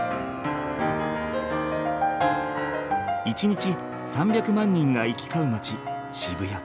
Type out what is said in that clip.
１日３００万人が行き交う街渋谷。